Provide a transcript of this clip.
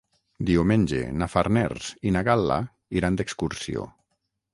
Diumenge na Farners i na Gal·la iran d'excursió.